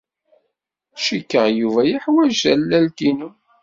Cikkeɣ Yuba yeḥwaj tallalt-nnem.